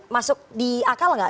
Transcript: masuk di akal nggak